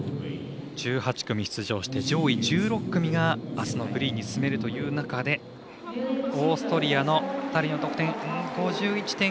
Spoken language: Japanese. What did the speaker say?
１８組出場して上位１６組があすのフリーに進めるという中でオーストリアの２人、５１．９６。